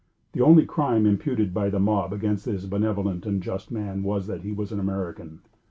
The only crime imputed by the mob against this benevolent and just man was, that he was an American.